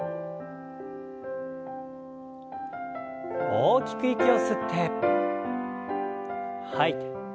大きく息を吸って吐いて。